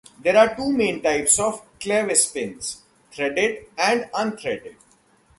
There are two main types of clevis pins: threaded and unthreaded.